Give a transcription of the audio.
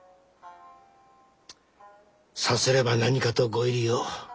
さすれば何かとご入り用。